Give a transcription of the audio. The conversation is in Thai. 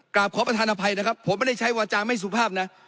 กราบขอประธานอภัยนะครับผมไม่ได้ใช้วาจาไม่สุภาพนะ